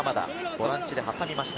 ボランチで挟みました。